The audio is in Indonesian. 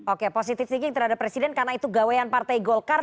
oke positif sedikit terhadap presiden karena itu gawean partai golkar